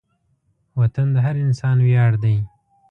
وطن د هر انسان ویاړ دی.